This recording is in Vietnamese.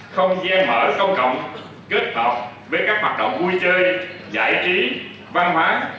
không gian mở công cộng kết hợp với các hoạt động vui chơi giải trí văn hóa